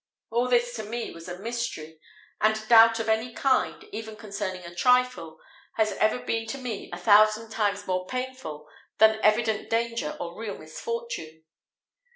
All this was to me a mystery; and doubt of any kind, even concerning a trifle, has ever been to me a thousand times more painful than evident danger or real misfortune.